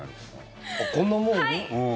こんなもん？